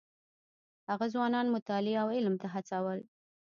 هغه ځوانان مطالعې او علم ته هڅول.